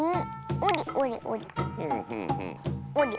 おりおりおり。